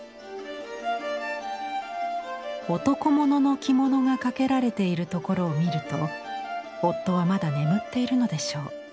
男物の着物が掛けられているところを見ると夫はまだ眠っているのでしょう。